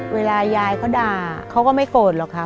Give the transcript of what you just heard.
เวลายายเขาด่าเขาก็ไม่โกรธหรอกค่ะ